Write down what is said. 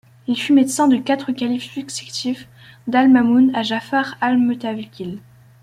Il fut médecin de quatre califes successifs, d'al-Mamoun à Jafar al-Mutawakkil.